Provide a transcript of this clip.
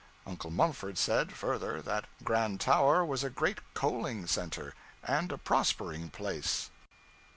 Uncle Mumford said, further, that Grand Tower was a great coaling center and a prospering place.